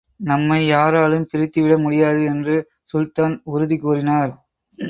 நம்மை யாராலும் பிரித்துவிட முடியாது என்று சுல்தான் உறுதி கூறினார்.